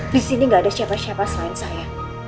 di sini gak ada siapa siapa selain saya